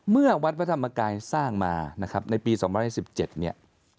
วัดพระธรรมกายสร้างมานะครับในปี๒๐๑๗เนี่ย